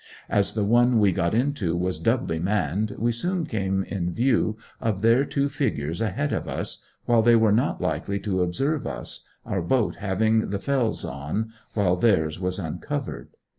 As the one we got into was doubly manned we soon came in view of their two figures ahead of us, while they were not likely to observe us, our boat having the 'felze' on, while theirs was uncovered.